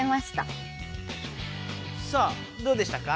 さあどうでしたか？